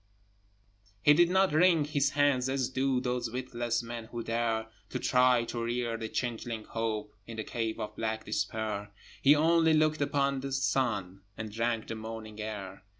He did not wring his hands, as do Those witless men who dare To try to rear the changeling Hope In the cave of black Despair: He only looked upon the sun, And drank the morning air.